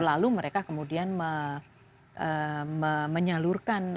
lalu mereka kemudian menyalurkan